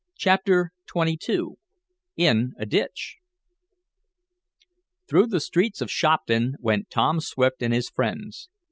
CHAPTER XXII IN A DITCH Through the streets of Shopton went Tom Swift and his friends.